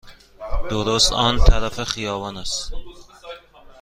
درست آن طرف خیابان است.